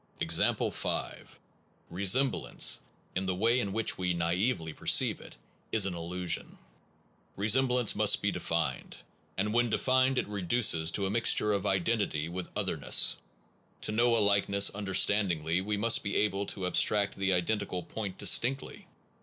Example 5. Resemblance, in the way in which we naively perceive it, is an illusion. Re semblance must be defined; and when defined it reduces to a mixture of identity with other ness. To know a likeness understandingly we must be able to abstract the identical point distinctly.